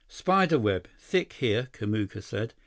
"Spider web. Thick here," Kamuka said.